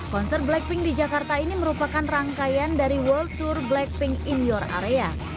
konser blackpink di jakarta ini merupakan rangkaian dari world tour blackpink in your area